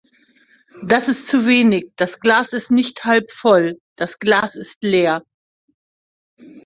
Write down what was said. Das ist zu wenig, das Glas ist nicht halb voll, das Glas ist leer!